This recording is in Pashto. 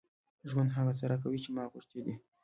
ژوند هغه څه راکوي چې ما غوښتي دي.